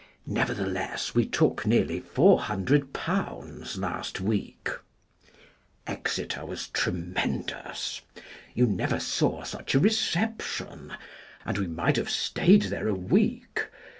Nevertheless we took nearly .£400 last week. Exeter was tremendous. You never saw such a reception, and we might have stayed there a week.